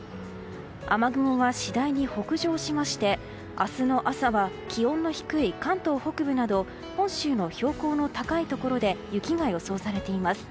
雨雲は次第に北上しまして明日の朝は気温の低い関東北部など本州の標高の高いところで雪が予想されています。